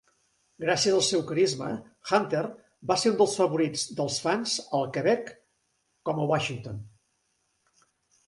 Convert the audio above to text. Gràcies al seu carisma, Hunter va ser un dels favorits dels fans al Quebec com a Washington.